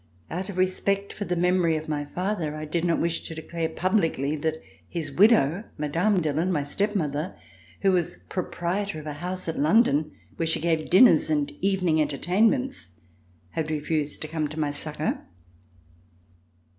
Out of respect for the memory of my father, I did not wish to declare publicly that his widow, Mme. Dillon, my step mother, who was proprietor of a house at London where she gave dinners and evening entertainments, had refused to come to my succor.